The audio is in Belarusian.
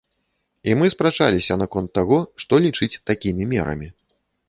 І мы спрачаліся наконт таго, што лічыць такімі мерамі.